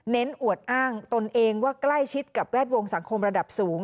อวดอ้างตนเองว่าใกล้ชิดกับแวดวงสังคมระดับสูง